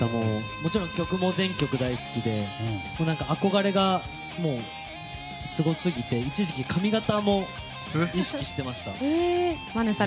もちろん、曲も全曲大好きで憧れがすごすぎて一時期、髪形も意識していました。